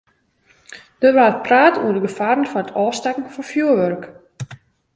Der waard praat oer de gefaren fan it ôfstekken fan fjurwurk.